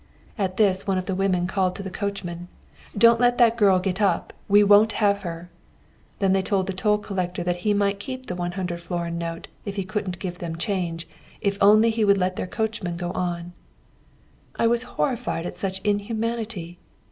At this, one of the women called to the coachman: 'Don't let that girl get up, we won't have her.' Then they told the toll collector that he might keep the 100 florin note if he couldn't give them change, if only he would let their coachman go on. I was horrified at such inhumanity.